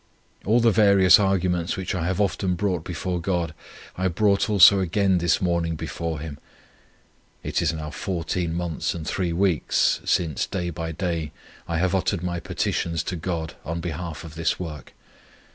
All the various arguments which I have often brought before God, I brought also again this morning before Him. It is now 14 months and 3 weeks since day by day I have uttered my petitions to God on behalf of this work.